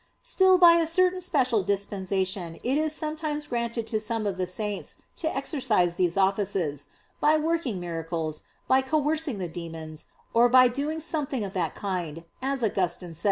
Still, by a certain special dispensation it is sometimes granted to some of the saints to exercise these offices; by working miracles, by coercing the demons, or by doing something of that kind, as Augustine says (De cura pro mortuis xvi).